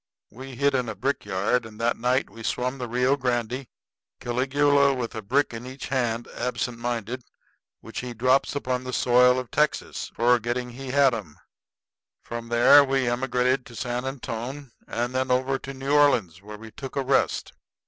We hid in a brickyard; and that night we swum the Rio Grande, Caligula with a brick in each hand, absent minded, which he drops upon the soil of Texas, forgetting he had 'em. From there we emigrated to San Antone, and then over to New Orleans, where we took a rest.